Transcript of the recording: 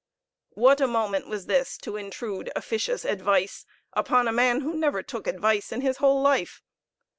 What a moment was this to intrude officious advice upon a man who never took advice in his whole life!